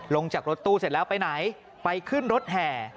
ลงจากรถตู้เสร็จแล้วไปไหนไปขึ้นรถแห่